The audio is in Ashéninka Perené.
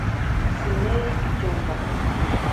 Tsimeri kityonkari.